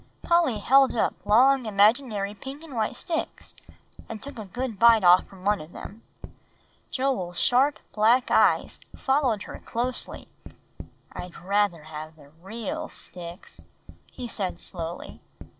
Polly held up long imaginary pink and white sticks, and took a good bite off from one of them. Joel's sharp black eyes followed her closely. "I'd rather have the real sticks," he said slowly.